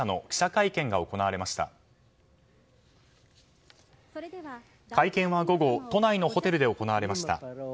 会見は午後都内のホテルで行われました。